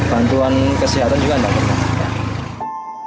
bantuan kesehatan juga tidak pernah